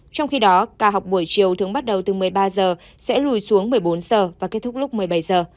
trong khi đó ca học buổi chiều thường bắt đầu từ một mươi ba giờ sẽ lùi xuống một mươi bốn giờ và kết thúc lúc một mươi bảy giờ